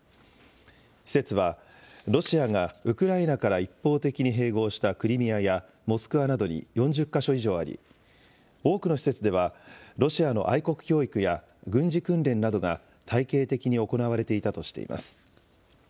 施設は、ロシアがウクライナから一方的に併合したクリミアや、モスクワなどに４０か所以上あり、多くの施設ではロシアの愛国教育や軍事訓練などが体系的に行われていたとしています。